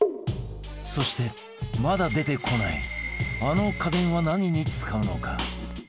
そして、まだ出てこないあの家電は何に使うのか？